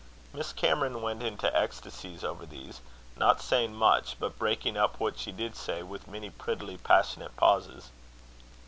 Miss Cameron went into ecstasies over these; not saying much, but breaking up what she did say with many prettily passionate pauses.